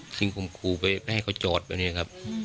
สิ่งข่มขู่ไปไม่ให้เขาจอดแบบนี้ครับ